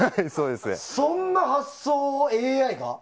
そんな発想をＡＩが？